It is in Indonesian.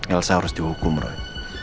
elsa harus dihukum roy